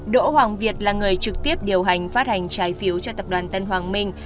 đỗ hoàng việt là người trực tiếp điều hành phát hành trái phiếu cho tập đoàn tân hoàng minh